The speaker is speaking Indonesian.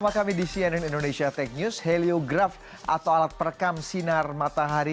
bersama kami di cnn indonesia tech news heliograf atau alat perekam sinar matahari